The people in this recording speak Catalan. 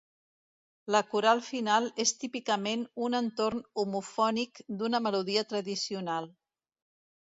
La coral final és típicament un entorn homofònic d'una melodia tradicional.